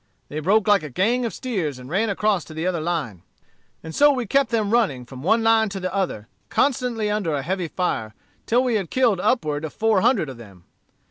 They broke like a gang of steers, and ran across to the other line. "And so we kept them running, from one line to the other, constantly under a heavy fire, till we had killed upwards of four hundred of them.